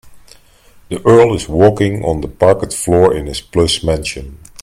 The earl is walking on the parquet floor in his plush mansion.